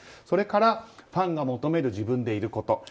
それからファンが求める自分でいること。